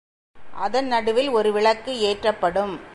அதன் நடுவில் ஒரு விளக்கு ஏற்றப்படும்.